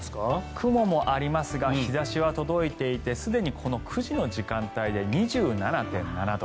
雲もありますが日差しは届いていてすでにこの９時の時間帯で２７．７度。